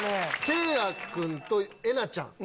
せいらくんとえなちゃん。